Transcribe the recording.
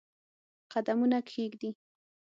قدمونه کښېږدي